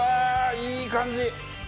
いい感じ！